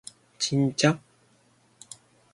ちんちゃ？